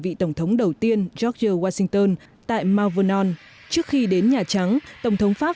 vị tổng thống đầu tiên george washington tại malvernon trước khi đến nhà trắng tổng thống pháp